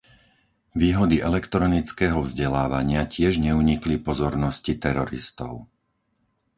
Výhody elektronického vzdelávania tiež neunikli pozornosti teroristov.